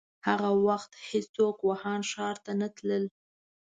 هغه وخت هيڅوک ووهان ښار ته نه تلل.